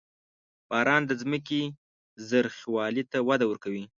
• باران د ځمکې زرخېوالي ته وده ورکوي.